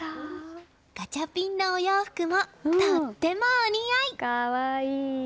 ガチャピンのお洋服もとってもお似合い！